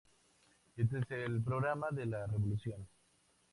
Este es el programa de la revolución.